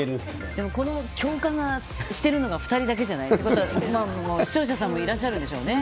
でも、この共感してるのが２人だけじゃなくて視聴者さんもいらっしゃるんでしょうね。